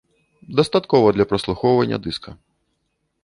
Дастаткова для праслухоўвання дыска.